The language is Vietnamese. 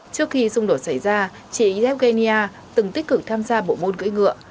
trước khi xung đột xảy ra chị evgenia từng tích cực tham gia bộ môn cưỡi ngựa